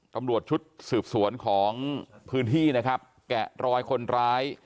ตำรวจชุดสืบสวนของพื้นที่นะครับแกะรอยคนร้าย